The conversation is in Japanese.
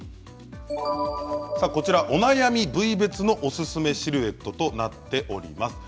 お悩み部位別のおすすめシルエットとなっております。